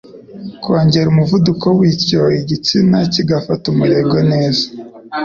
kongera umuvuduko bityo igitsina kigafata umurego neza.